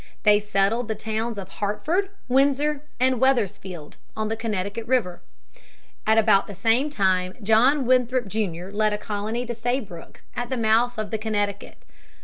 They settled the towns of Hartford, Windsor, and Weathersfield, on the Connecticut River. At about the same time John Winthrop, Jr., led a colony to Saybrook, at the mouth of the Connecticut.